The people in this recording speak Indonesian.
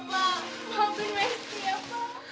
maafkan saya sih ya pak